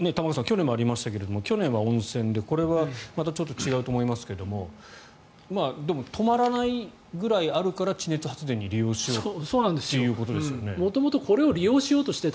玉川さん距離もありますが去年は温泉でこれはまたちょっと違うと思いますが止まらないぐらいあるから地熱発電に利用しようということですよね。